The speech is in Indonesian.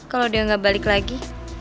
kalo dia enggak balik lagi